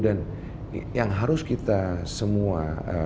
dan yang harus kita semua